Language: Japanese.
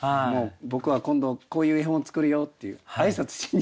僕は今度こういう絵本を作るよっていう挨拶しに。